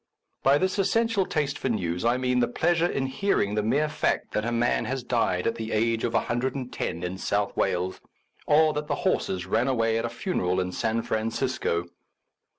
By this essential taste for news, I mean the pleasure in hearing the mere fact that a man has died at the age of no in South Wales, or that the horses ran away at a funeral in San Francisco.